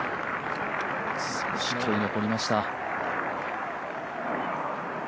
少し残りました。